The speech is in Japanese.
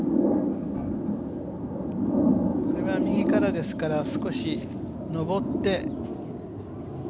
右からですから少し上って。